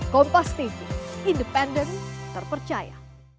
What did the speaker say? kompas tv independen terpercaya